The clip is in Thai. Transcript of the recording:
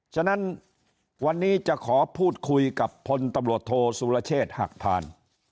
ฉะนั้นวันนี้จะขอพูดคุยกับพลตำรวจโทสุรเชษฐ์หักพาน